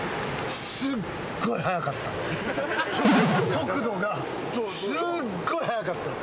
速度がすごい速かった。